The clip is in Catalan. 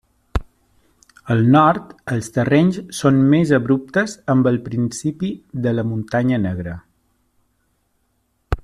Al nord, els terrenys són més abruptes amb el principi de la Muntanya Negra.